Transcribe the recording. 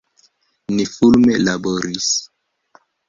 Ni fulme laboris.